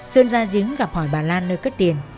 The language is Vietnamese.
sơn ra giếng gặp hỏi bà lan nơi cất tiền